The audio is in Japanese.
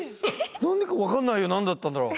何だか分かんない何だったんだろう。